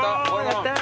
やった！